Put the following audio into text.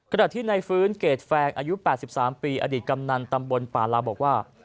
ขณะที่ในฟื้นเกรดแฟงอายุ๘๓ปีอดีตกำนันตำบลป่าลาบอกว่า